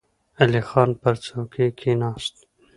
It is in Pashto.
علی خان پر څوکۍ کېناست.